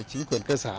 chính quyền cơ sở